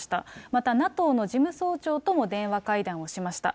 またＮＡＴＯの事務総長とも電話会談をしました。